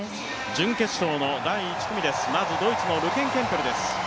準決勝の第１組です、まずドイツのルケンケムペルです。